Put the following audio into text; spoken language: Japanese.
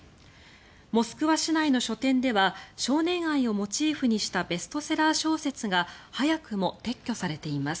モスクワ市内の書店では少年愛をモチーフにしたベストセラー小説が早くも撤去されています。